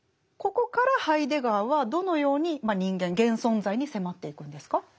ここからハイデガーはどのようにまあ人間現存在に迫っていくんですか？